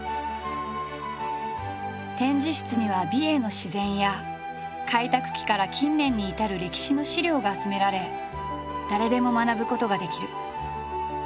展示室には美瑛の自然や開拓期から近年に至る歴史の資料が集められ誰でも学ぶことができる。